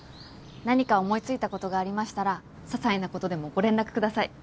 何か思いついたことがありましたらささいなことでもご連絡ください。